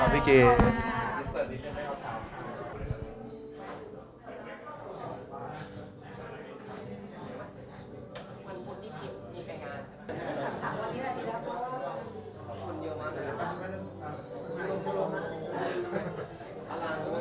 พี่ไปงาน